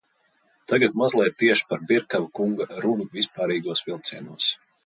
Tagad mazliet tieši par Birkava kunga runu vispārīgos vilcienos.